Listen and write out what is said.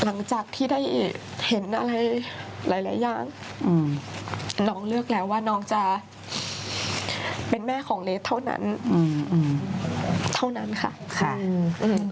หลังจากที่ได้เห็นอะไรหลายหลายอย่างอืมน้องเลือกแล้วว่าน้องจะเป็นแม่ของเลสเท่านั้นอืมเท่านั้นค่ะค่ะอืม